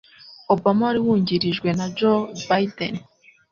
Obama wari wungirijwe na Joe Biden.